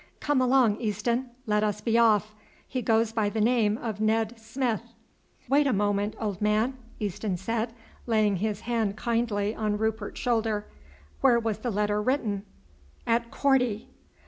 "Come along, Easton, let us be off. He goes by the name of Ned Smith." "Wait a moment, old man," Easton said, laying his hand kindly on Rupert's shoulder. "Where was the letter written?" "At Korti."